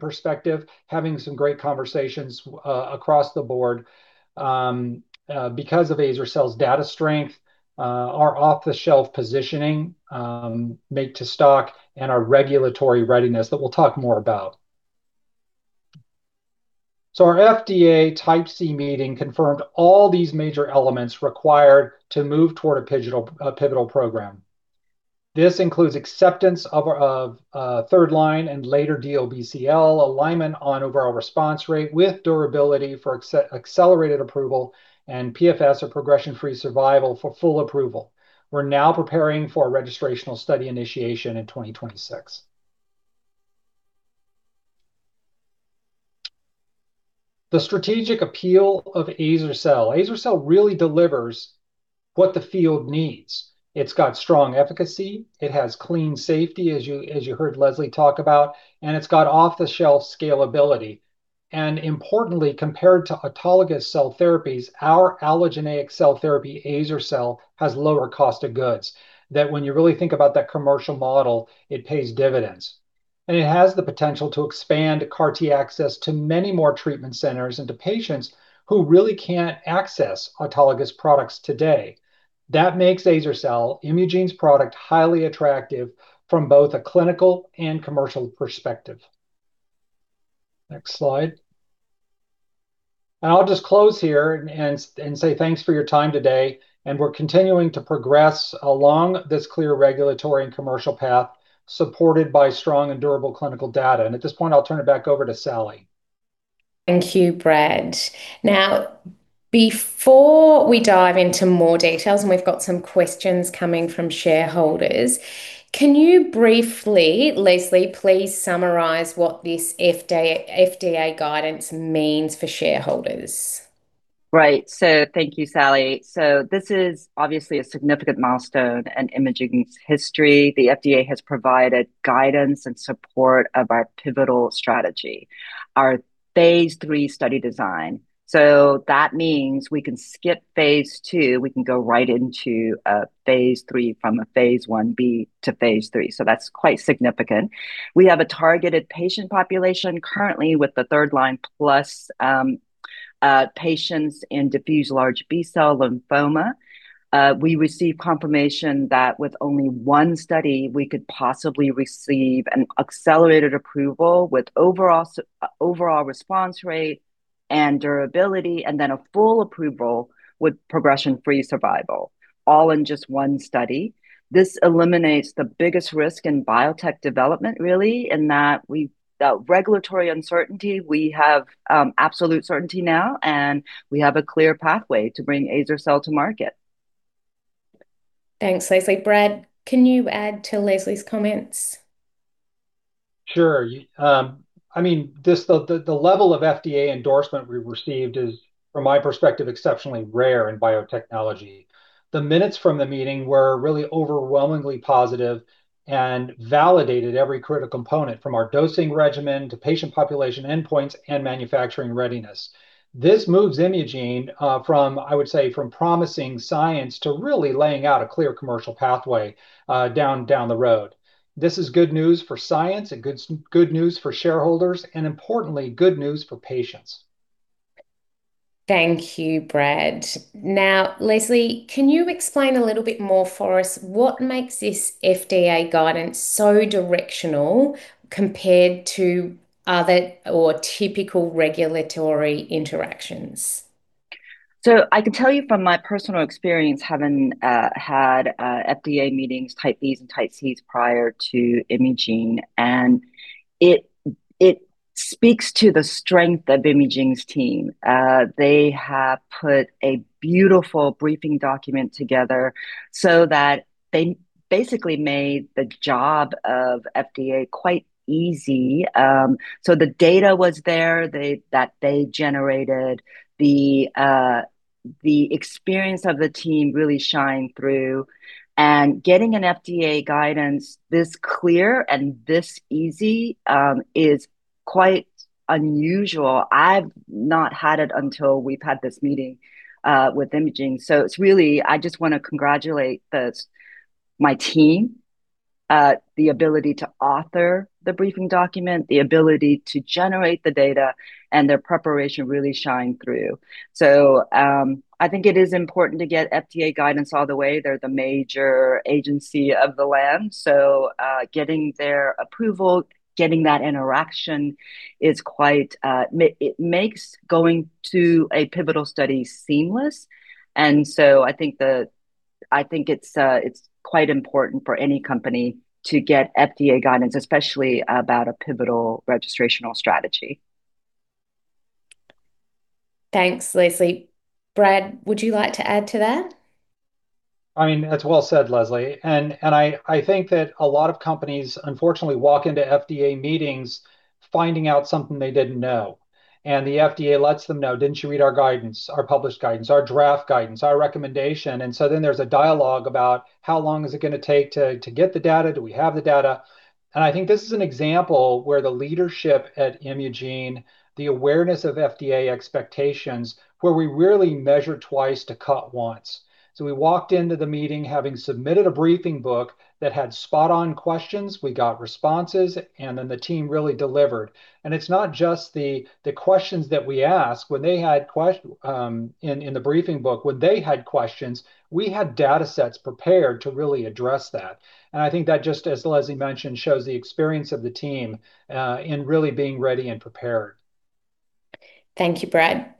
Perspective, having some great conversations across the board because of azer-cel's data strength, our off-the-shelf positioning, make-to-stock, and our regulatory readiness that we'll talk more about. So our FDA Type C meeting confirmed all these major elements required to move toward a pivotal program. This includes acceptance of third-line and later DLBCL, alignment on overall response rate with durability for accelerated approval, and PFS or progression-free survival for full approval. We're now preparing for a registrational study initiation in 2026. The strategic appeal of azer-cel. azer-cel really delivers what the field needs. It's got strong efficacy. It has clean safety, as you heard Leslie talk about, and it's got off-the-shelf scalability. And importantly, compared to autologous cell therapies, our allogeneic cell therapy, azer-cel, has lower cost of goods. That, when you really think about that commercial model, it pays dividends. It has the potential to expand CAR-T access to many more treatment centers and to patients who really can't access autologous products today. That makes azer-cel Imugene's product highly attractive from both a clinical and commercial perspective. Next slide. I'll just close here and say thanks for your time today. We're continuing to progress along this clear regulatory and commercial path supported by strong and durable clinical data. At this point, I'll turn it back over to Sally. Thank you, Brad. Now, before we dive into more details and we've got some questions coming from shareholders, can you briefly, Leslie, please summarize what this FDA guidance means for shareholders? Great. Thank you, Sally. This is obviously a significant milestone in Imugene's history. The FDA has provided guidance and support of our pivotal strategy, our phase III study design. That means we can skip phase II. We can go right into phase III from a phase IB to phase III. So that's quite significant. We have a targeted patient population currently with the third-line plus patients in diffuse large B-cell lymphoma. We received confirmation that with only one study, we could possibly receive an accelerated approval with overall response rate and durability, and then a full approval with progression-free survival, all in just one study. This eliminates the biggest risk in biotech development, really, in that regulatory uncertainty. We have absolute certainty now, and we have a clear pathway to bring azer-cel to market. Thanks, Leslie. Brad, can you add to Leslie's comments? Sure. the level of FDA endorsement we received is, from my perspective, exceptionally rare in biotechnology. The minutes from the meeting were really overwhelmingly positive and validated every critical component from our dosing regimen to patient population endpoints and manufacturing readiness. This moves Imugene from, I would say, from promising science to really laying out a clear commercial pathway down the road. This is good news for science and good news for shareholders, and importantly, good news for patients. Thank you, Brad. Now, Leslie, can you explain a little bit more for us what makes this FDA guidance so directional compared to other or typical regulatory interactions? I can tell you from my personal experience having had FDA meetings Type Bs and Type Cs prior to Imugene, and it speaks to the strength of Imugene's team. They have put a beautiful briefing document together so that they basically made the job of FDA quite easy. So the data was there that they generated. The experience of the team really shined through. And getting an FDA guidance this clear and this easy is quite unusual. I've not had it until we've had this meeting with Imugene. So it's really, I just want to congratulate my team, the ability to author the briefing document, the ability to generate the data, and their preparation really shined through. So I think it is important to get FDA guidance all the way. They're the major agency of the land. So, getting their approval, getting that interaction is quite. It makes going to a pivotal study seamless, and so I think it's quite important for any company to get FDA guidance, especially about a pivotal registrational strategy. Thanks, Leslie. Brad, would you like to add to that? That's well said, Leslie. And I think that a lot of companies, unfortunately, walk into FDA meetings finding out something they didn't know. And the FDA lets them know, "Didn't you read our guidance, our published guidance, our draft guidance, our recommendation?" So then there's a dialogue about how long is it going to take to get the data? Do we have the data? I think this is an example where the leadership at Imugene, the awareness of FDA expectations, where we really measure twice to cut once. We walked into the meeting having submitted a briefing book that had spot-on questions. We got responses, and then the team really delivered. And it's not just the questions that we asked. In the briefing book, when they had questions, we had data sets prepared to really address that. I think that just, as Leslie mentioned, shows the experience of the team in really being ready and prepared. Thank you, Brad.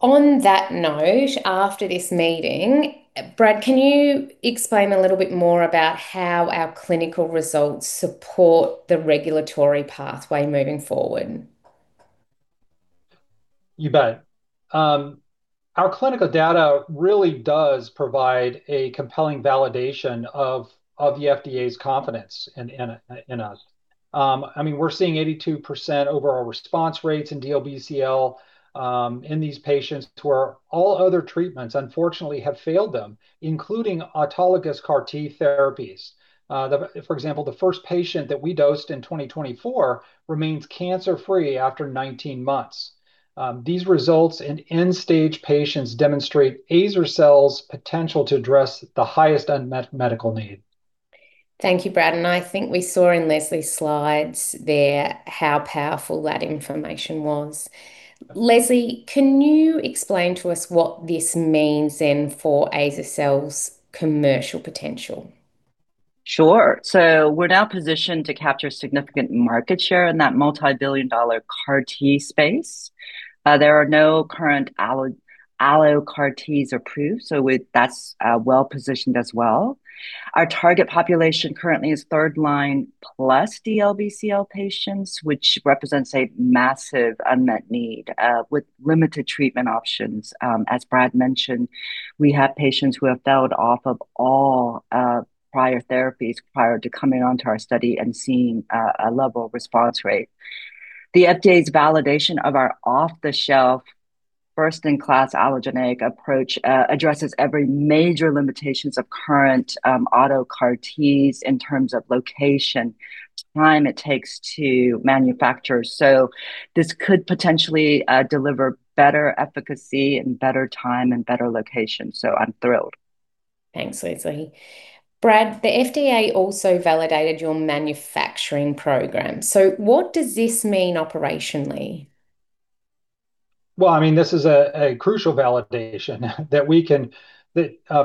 On that note, after this meeting, Brad, can you explain a little bit more about how our clinical results support the regulatory pathway moving forward? Our clinical data really does provide a compelling validation of the FDA's confidence in us. I mean, we're seeing 82% overall response rates in DLBCL in these patients where all other treatments, unfortunately, have failed them, including autologous CAR-T therapies. For example, the first patient that we dosed in 2024 remains cancer-free after 19 months. These results in end-stage patients demonstrate azer-cel's potential to address the highest unmet medical need. Thank you, Brad. And I think we saw in Leslie's slides there how powerful that information was. Leslie, can you explain to us what this means then for azer-cel's commercial potential? Sure. We're now positioned to capture significant market share in that multi-billion dollar CAR-T space. There are no current allogeneic CAR-Ts approved, so that's well positioned as well. Our target population currently is third-line plus DLBCL patients, which represents a massive unmet need with limited treatment options. As Brad mentioned, we have patients who have failed off of all prior therapies prior to coming on to our study and seeing a level of response rate. The FDA's validation of our off-the-shelf first-in-class allogeneic approach addresses every major limitation of current autologous CAR-Ts in terms of location, time it takes to manufacture. So this could potentially deliver better efficacy and better time and better location. So I'm thrilled. Thanks, Leslie. Brad, the FDA also validated your manufacturing program. So what does this mean operationally? This is a crucial validation that we can,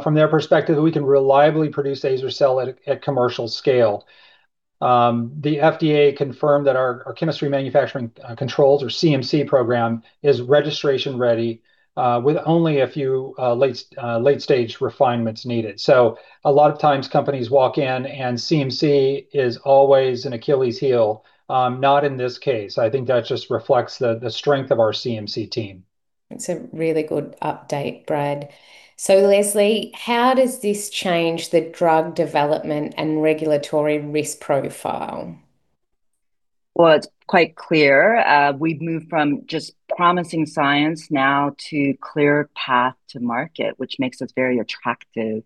from their perspective, we can reliably produce azer-cel at commercial scale. The FDA confirmed that our Chemistry, Manufacturing and Controls, or CMC program, is registration-ready with only a few late-stage refinements needed. A lot of times companies walk in and CMC is always an Achilles heel. Not in this case. I think that just reflects the strength of our CMC team. That's a really good update, Brad. So Leslie, how does this change the drug development and regulatory risk profile? It's quite clear. We've moved from just promising science now to a clear path to market, which makes us very attractive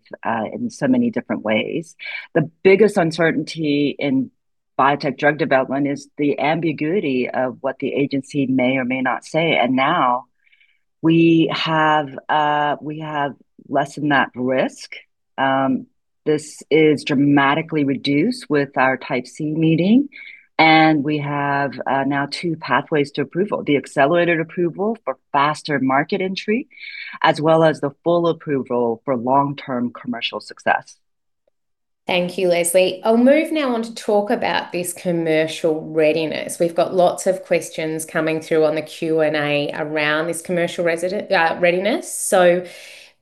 in so many different ways. The biggest uncertainty in biotech drug development is the ambiguity of what the agency may or may not say. Now we have lessened that risk. This is dramatically reduced with our Type C meeting. We have now two pathways to approval: the accelerated approval for faster market entry, as well as the full approval for long-term commercial success. Thank you, Leslie. I'll move now on to talk about this commercial readiness. We've got lots of questions coming through on the Q&A around this commercial readiness. So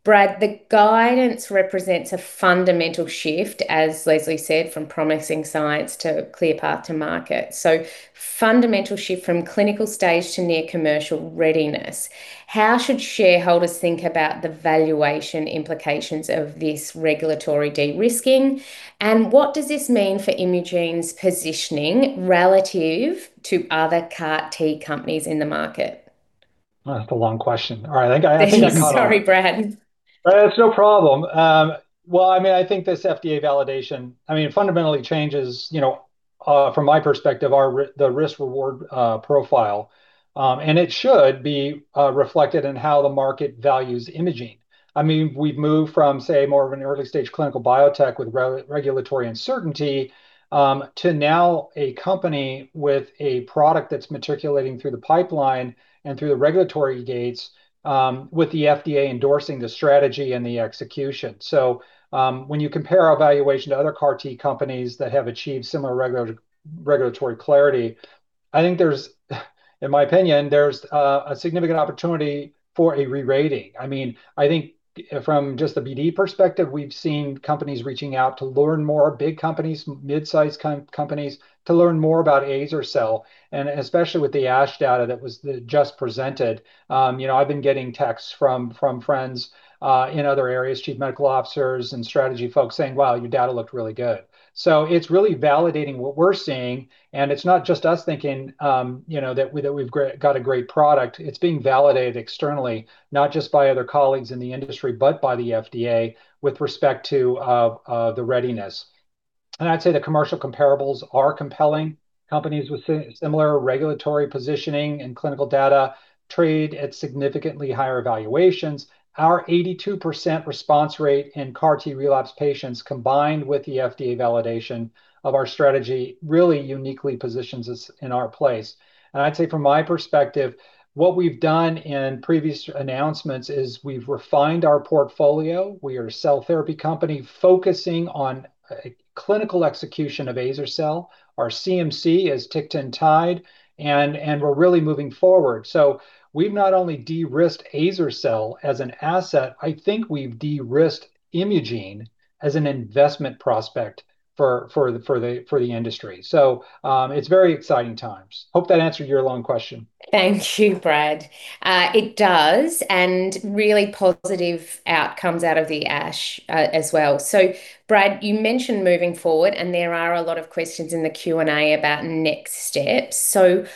Brad, the guidance represents a fundamental shift, as Leslie said, from promising science to a clear path to market. So fundamental shift from clinical stage to near commercial readiness. How should shareholders think about the valuation implications of this regulatory de-risking, and what does this mean for Imugene's positioning relative to other CAR-T companies in the market? That's a long question. All right. Sorry, Brad. That's no problem. I think this FDA validation, I mean, fundamentally changes, from my perspective, the risk-reward profile, and it should be reflected in how the market values Imugene. We've moved from, say, more of an early-stage clinical biotech with regulatory uncertainty to now a company with a product that's matriculating through the pipeline and through the regulatory gates, with the FDA endorsing the strategy and the execution, so when you compare our valuation to other CAR-T companies that have achieved similar regulatory clarity, I think there's, in my opinion, there's a significant opportunity for a re-rating. I think from just the BD perspective, we've seen companies reaching out to learn more, big companies, mid-sized companies, to learn more about azer-cel. And especially with the ASH data that was just presented, I've been getting texts from friends in other areas, chief medical officers and strategy folks saying, "Wow, your data looked really good." So it's really validating what we're seeing. It's not just us thinking that we've got a great product. It's being validated externally, not just by other colleagues in the industry, but by the FDA with respect to the readiness. I'd say the commercial comparables are compelling. Companies with similar regulatory positioning and clinical data trade at significantly higher valuations. Our 82% response rate in CAR-T relapse patients combined with the FDA validation of our strategy really uniquely positions us in our place. And I'd say from my perspective, what we've done in previous announcements is we've refined our portfolio. We are a cell therapy company focusing on clinical execution of azer-cel. Our CMC is ticked and tied, and we're really moving forward. We've not only de-risked azer-cel as an asset, I think we've de-risked Imugene as an investment prospect for the industry. So it's very exciting times. Hope that answered your long question. Thank you, Brad. It does, and really positive outcomes out of the ASH as well. So Brad, you mentioned moving forward, and there are a lot of questions in the Q&A about next steps. So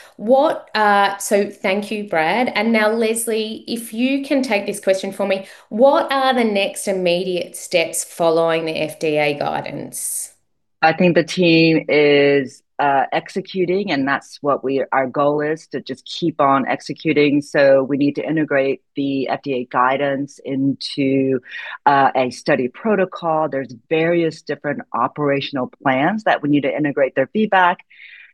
thank you, Brad. And now Leslie, if you can take this question for me, what are the next immediate steps following the FDA guidance? I think the team is executing, and that's what our goal is to just keep on executing, so we need to integrate the FDA guidance into a study protocol. There's various different operational plans that we need to integrate their feedback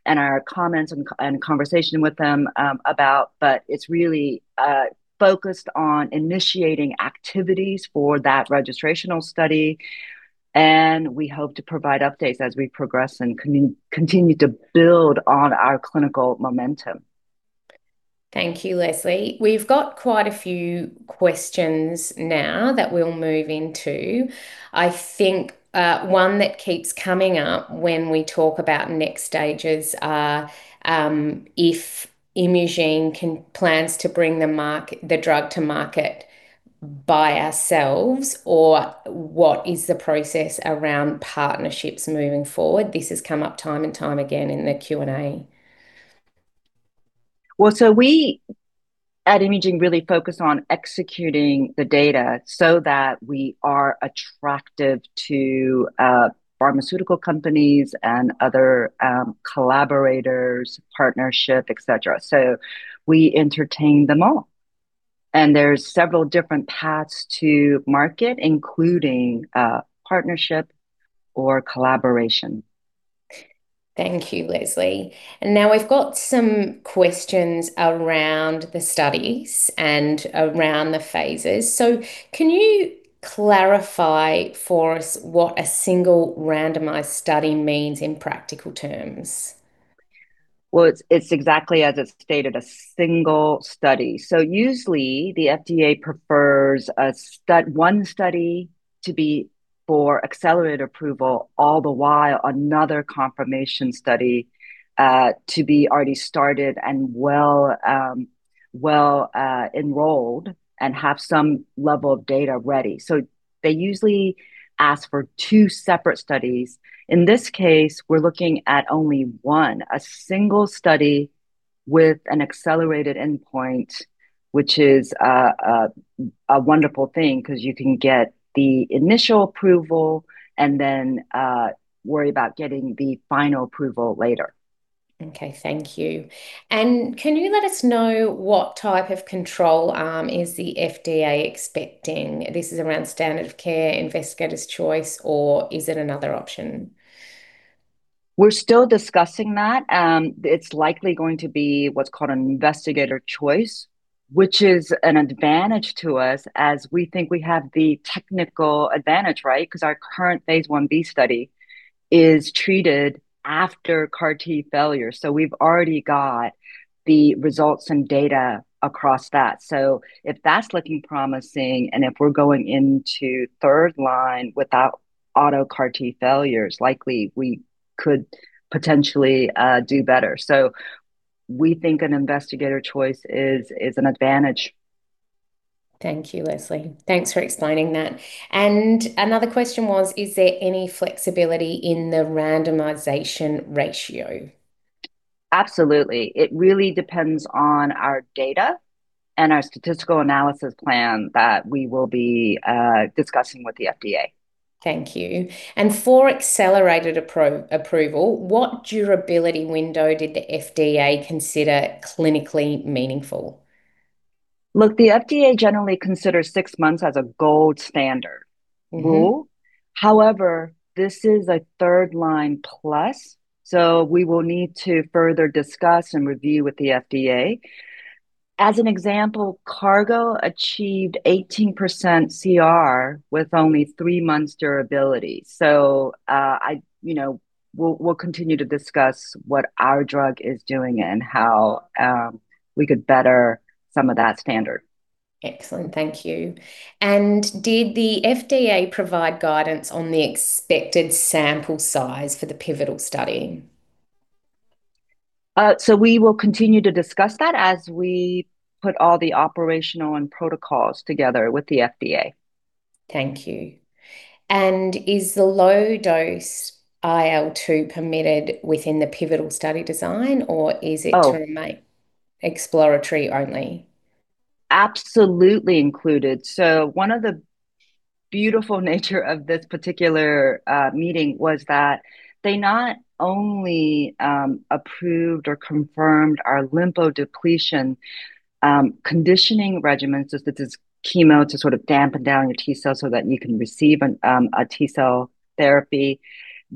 and our comments and conversation with them about, but it's really focused on initiating activities for that registrational study, and we hope to provide updates as we progress and continue to build on our clinical momentum. Thank you, Leslie. We've got quite a few questions now that we'll move into. I think one that keeps coming up when we talk about next stages is if Imugene plans to bring the drug to market by ourselves, or what is the process around partnerships moving forward? This has come up time and time again in the Q&A. Well, we at Imugene really focus on executing the data so that we are attractive to pharmaceutical companies and other collaborators, partnership, etc. We entertain them all. There's several different paths to market, including partnership or collaboration. Thank you, Leslie. Now we've got some questions around the studies and around the phases. Can you clarify for us what a single randomized study means in practical terms? It's exactly as it's stated, a single study. Usually, the FDA prefers one study to be for accelerated approval, all the while another confirmation study to be already started and well enrolled and have some level of data ready. They usually ask for two separate studies. In this case, we're looking at only one, a single study with an accelerated endpoint, which is a wonderful thing because you can get the initial approval and then worry about getting the final approval later. Thank you. And can you let us know what type of control arm is the FDA expecting? This is around standard of care, investigator's choice, or is it another option? We're still discussing that. It's likely going to be what's called an investigator's choice, which is an advantage to us as we think we have the technical advantage, right? Because our current phase Ib study is treated after CAR-T failure. So we've already got the results and data across that. So if that's looking promising and if we're going into third line without autologous CAR-T failures, likely we could potentially do better. So we think an investigator's choice is an advantage. Thank you, Leslie. Thanks for explaining that. Another question was, is there any flexibility in the randomization ratio? Absolutely. It really depends on our data and our statistical analysis plan that we will be discussing with the FDA. Thank you. And for accelerated approval, what durability window did the FDA consider clinically meaningful? Look, the FDA generally considers six months as a gold standard rule. However, this is a third-line plus, so we will need to further discuss and review with the FDA. As an example, Cargo achieved 18% CR with only three months durability. We'll continue to discuss what our drug is doing and how we could better some of that standard. Excellent. Thank you. Did the FDA provide guidance on the expected sample size for the pivotal study? We will continue to discuss that as we put all the operational and protocols together with the FDA. Thank you. And is the low-dose IL-2 permitted within the pivotal study design, or is it to remain exploratory only? Absolutely included. One of the beautiful nature of this particular meeting was that they not only approved or confirmed our lymphodepletion conditioning regimen, such as chemo to sort of dampen down your T cells so that you can receive a T-cell therapy.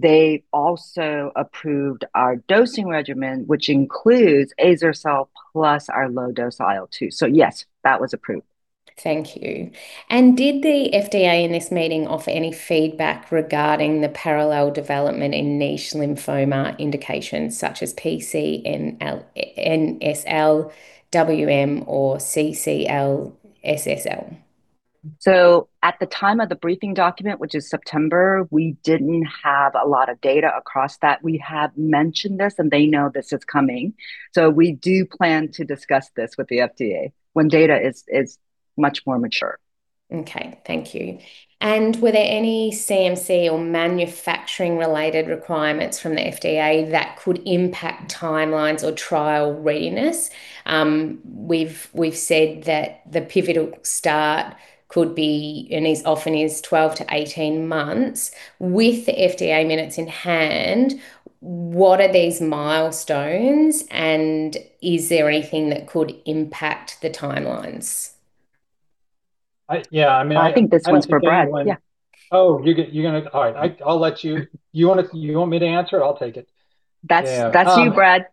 They also approved our dosing regimen, which includes azer-cel plus our low-dose IL-2. So yes, that was approved. Thank you. Did the FDA in this meeting offer any feedback regarding the parallel development in niche lymphoma indications such as PCNSL, WM, or CCL/SSL? At the time of the briefing document, which is September, we didn't have a lot of data across that. We have mentioned this, and they know this is coming. We do plan to discuss this with the FDA when data is much more mature. Thank you. Were there any CMC or manufacturing-related requirements from the FDA that could impact timelines or trial readiness? We've said that the pivotal start could be and often is 12-18 months. With the FDA minutes in hand, what are these milestones, and is there anything that could impact the timelines? Yeah. I mean. I think this one's for Brad. Oh, you're going to? All right. I'll let you—you want me to answer? I'll take it. That's you, Brad.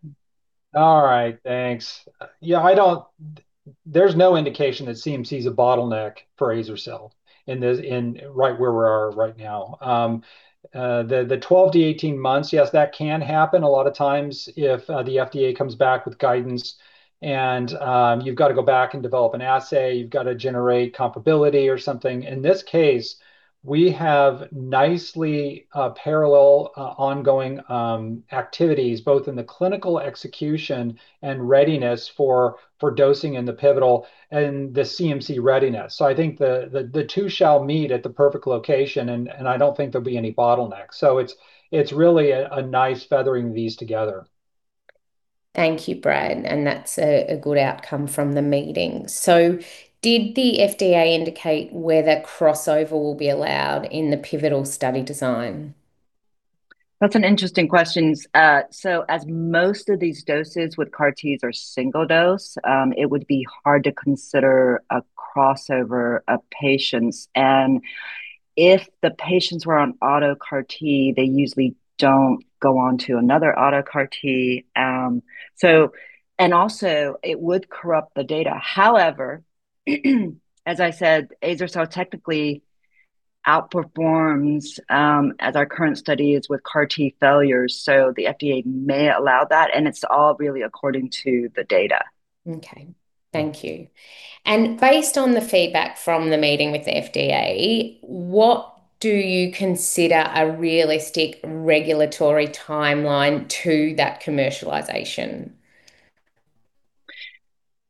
All right. Thanks. There's no indication that CMC is a bottleneck for azer-cel right where we are right now. The 12 to 18 months, yes, that can happen a lot of times if the FDA comes back with guidance, and you've got to go back and develop an assay. You've got to generate comparability or something. In this case, we have nicely parallel ongoing activities, both in the clinical execution and readiness for dosing in the pivotal and the CMC readiness. So I think the two shall meet at the perfect location, and I don't think there'll be any bottlenecks. So it's really a nice feathering these together. Thank you, Brad. That's a good outcome from the meeting. Did the FDA indicate whether crossover will be allowed in the pivotal study design? That's an interesting question. As most of these doses with CAR-Ts are single dose, it would be hard to consider a crossover of patients. If the patients were on autologous CAR-T, they usually don't go on to another autologous CAR-T. Also, it would corrupt the data. However, as I said, azer-cel technically outperforms as our current study is with CAR-T failures, so the FDA may allow that, and it's all really according to the data. Thank you. Based on the feedback from the meeting with the FDA, what do you consider a realistic regulatory timeline to that commercialization?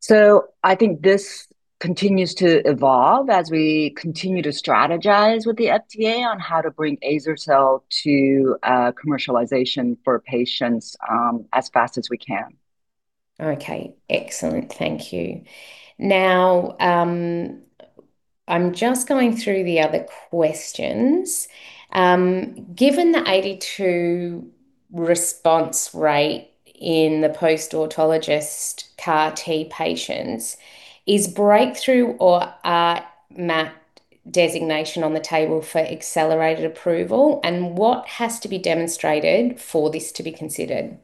I think this continues to evolve as we continue to strategize with the FDA on how to bring azer-cel to commercialization for patients as fast as we can. Excellent. Thank you. Now, I'm just going through the other questions. Given the 82% response rate in the post-autologous CAR-T patients, is Breakthrough or RMAT designation on the table for accelerated approval? What has to be demonstrated for this to be considered?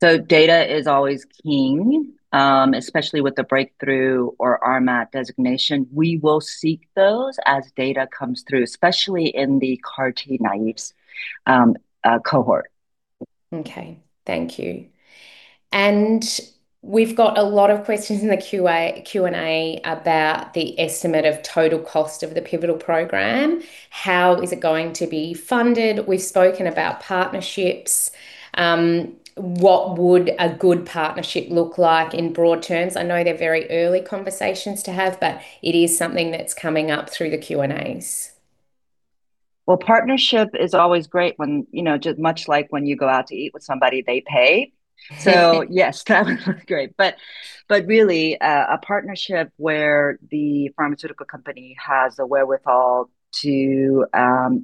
Data is always king, especially with the Breakthrough or RMAT designation. We will seek those as data comes through, especially in the CAR-T naive cohort. Thank you, and we've got a lot of questions in the Q&A about the estimate of total cost of the pivotal program. How is it going to be funded? We've spoken about partnerships. What would a good partnership look like in broad terms? I know they're very early conversations to have, but it is something that's coming up through the Q&As. Partnership is always great when, much like when you go out to eat with somebody, they pay. So yes, that would look great. But really, a partnership where the pharmaceutical company has the wherewithal to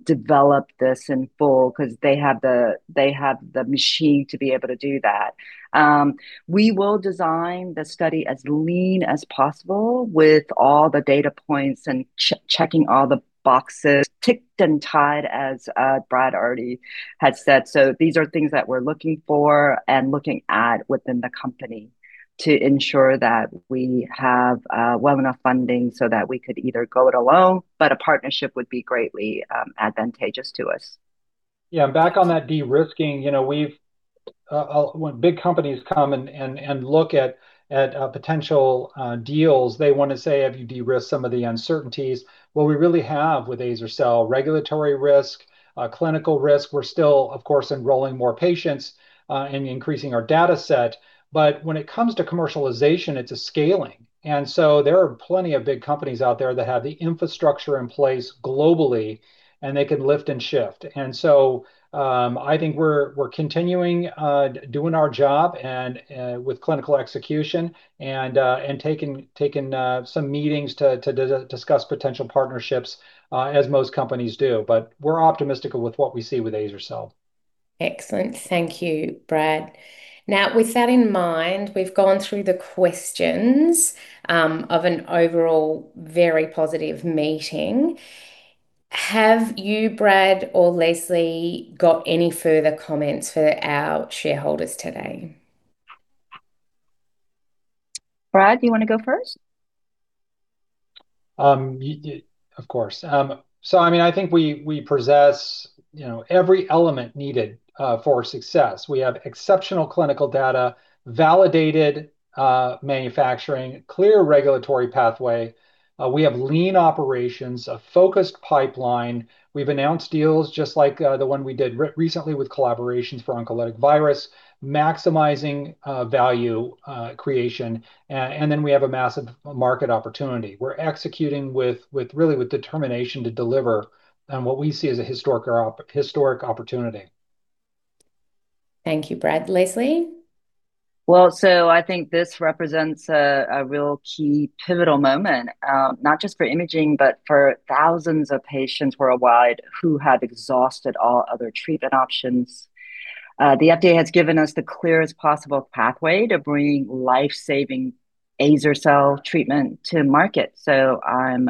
develop this in full because they have the machine to be able to do that. We will design the study as lean as possible with all the data points and checking all the boxes ticked and tied, as Brad already had said. These are things that we're looking for and looking at within the company to ensure that we have well enough funding so that we could either go it alone, but a partnership would be greatly advantageous to us. Back on that de-risking, when big companies come and look at potential deals, they want to say, "Have you de-risked some of the uncertainties?" We really have with azer-cel regulatory risk, clinical risk. We're still, of course, enrolling more patients and increasing our data set. But when it comes to commercialization, it's a scaling. So there are plenty of big companies out there that have the infrastructure in place globally, and they can lift and shift. I think we're continuing doing our job with clinical execution and taking some meetings to discuss potential partnerships, as most companies do. But we're optimistic with what we see with azer-cel. Excellent. Thank you, Brad. Now, with that in mind, we've gone through the questions of an overall very positive meeting. Have you, Brad or Leslie, got any further comments for our shareholders today? Brad, do you want to go first? Of course. I think we possess every element needed for success. We have exceptional clinical data, validated manufacturing, clear regulatory pathway. We have lean operations, a focused pipeline. We've announced deals just like the one we did recently with collaborations for oncolytic virus, maximizing value creation. Then we have a massive market opportunity. We're executing really with determination to deliver on what we see as a historic opportunity. Thank you, Brad. Leslie? I think this represents a real key pivotal moment, not just for Imugene, but for thousands of patients worldwide who have exhausted all other treatment options. The FDA has given us the clearest possible pathway to bring life-saving azer-cel treatment to market. So I'm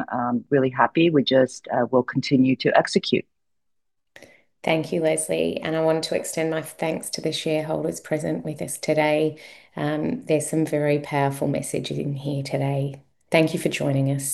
really happy. We just will continue to execute. Thank you, Leslie, and I want to extend my thanks to the shareholders present with us today. There's some very powerful messages in here today. Thank you for joining us.